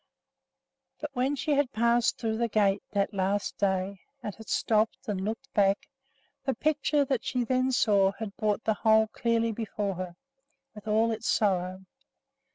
But when she had passed through the gate that last day, and had stopped and looked back, the picture that she then saw had brought the whole clearly before her, with all its sorrow.